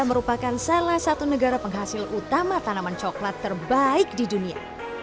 merupakan salah satu negara penghasil utama tanaman coklat terbaik di dunia